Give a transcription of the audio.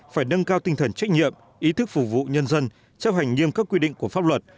phải nâng cao tinh thần trách nhiệm ý thức phục vụ nhân dân chấp hành nghiêm các quy định của pháp luật